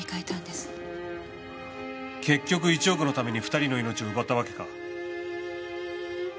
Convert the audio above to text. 結局１億のために２人の命を奪ったわけか？